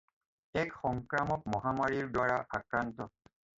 এক সংক্ৰামক মহামাৰীৰদ্বাৰা আক্ৰান্ত।